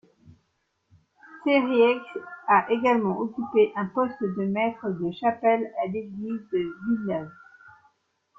Sérieyx a également occupé un poste de maître de chapelle à l'église de Villeneuve.